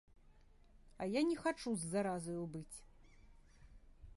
А я не хачу з заразаю быць.